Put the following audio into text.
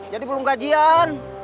jadi belum gajian